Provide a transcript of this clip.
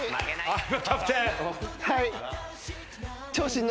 はい。